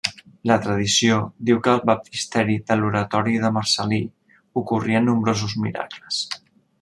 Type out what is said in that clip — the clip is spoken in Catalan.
La tradició diu que al baptisteri de l'oratori de Marcel·lí ocorrien nombrosos miracles.